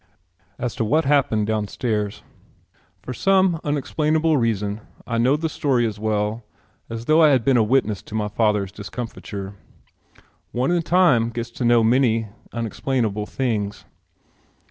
As to what happened downstairs. For some unexplainable reason I know the story as well as though I had been a witness to my father's discomfiture. One in time gets to know many unexplainable things.